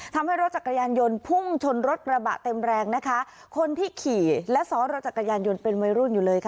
ทำให้รถจักรยานยนต์พุ่งชนรถกระบะเต็มแรงนะคะคนที่ขี่และซ้อนรถจักรยานยนต์เป็นวัยรุ่นอยู่เลยค่ะ